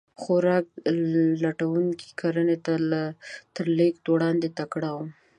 خوراک لټونکي کرنې ته تر لېږد وړاندې تکړه وو.